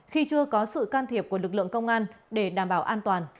khi chưa có sự can thiệp của lực lượng công an để đảm bảo an toàn